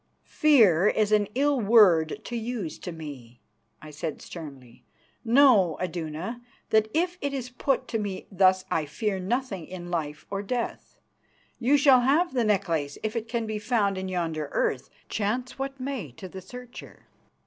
"Fear is an ill word to use to me," I said sternly. "Know, Iduna, that if it is put to me thus I fear nothing in life or death. You shall have the necklace if it can be found in yonder earth, chance what may to the searcher.